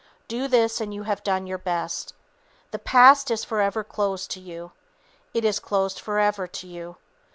Do this and you have done your best. The past is forever closed to you. It is closed forever to you.